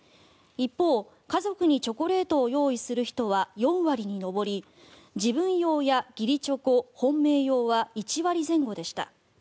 一方、家族にチョコレートを用意する人は４割に上り自分用や義理チョコ本命用は１割前後でした。